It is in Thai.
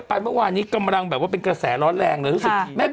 อ้าวนี่น้องนาน่าว